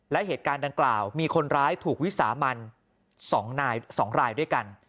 และเหตุการณ์ดังกล่าวมีคนร้ายถูกวิสามัน๒รายด้วยกัน